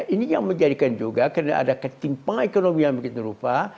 ini yang menjadikan juga karena ada ketimpangan ekonomi yang begitu rupa